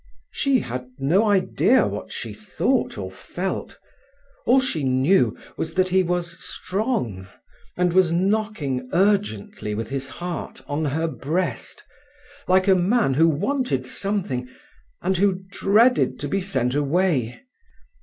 She had no idea what she thought or felt. All she knew was that he was strong, and was knocking urgently with his heart on her breast, like a man who wanted something and who dreaded to be sent away.